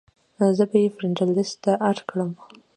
زۀ به ئې فرېنډ لسټ ته اېډ کړم -